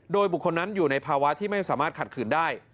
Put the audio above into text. โดยบุคคลนั้นอยู่ในภาวะที่ไม่สามารถขัดขืนได้